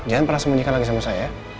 jangan pernah sembunyikan lagi sama saya